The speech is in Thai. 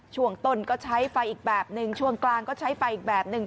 ช่วงต้นก็ใช้ไฟอีกแบบหนึ่งช่วงกลางก็ใช้ไฟอีกแบบหนึ่ง